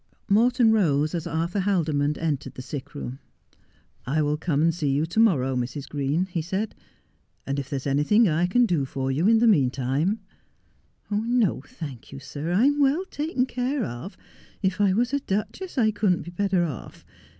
Morton rose as Arthur Haldimond entered the sick room. ' I will come and see you to morrow, Mrs. Green,' he said, and if there is anything I can do for you in the meantime' ■ No, thank you, sir, I am welJ taken care of. If I was a duchess I couldn't be better off.